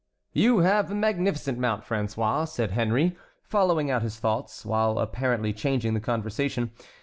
"You have a magnificent mount, François," said Henry, following out his thoughts, while apparently changing the conversation.